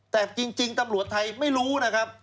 แต่จริงตำรวจไทยไม่รู้นะครับ